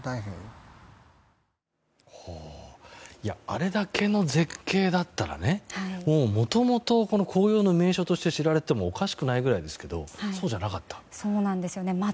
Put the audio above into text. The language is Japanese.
あれだけの絶景だったらもともと紅葉の名所として知られていてもおかしくないぐらいですけどそうじゃなかった。